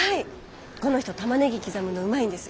この人タマネギ刻むのうまいんです。